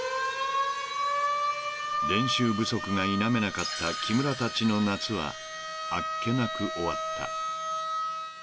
［練習不足が否めなかった木村たちの夏はあっけなく終わった］